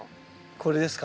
これですか？